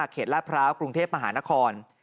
ลาดพร้าวกรุงเทพมหานคร